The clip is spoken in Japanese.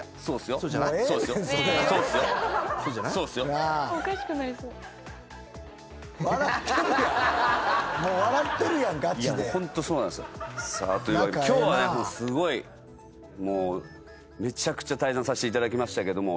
そうっすよ。さあというわけで今日はねすごいもうめちゃくちゃ対談させていただきましたけども。